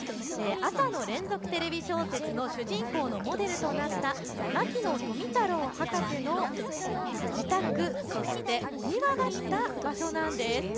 朝の連続テレビ小説の主人公のモデルとなった牧野富太郎博士の自宅、そしてお庭だった場所なんです。